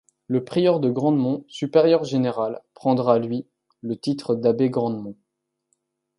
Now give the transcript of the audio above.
Le prieur de Grandmont, supérieur général, prendra, lui, le titre d'abbé de Grandmont.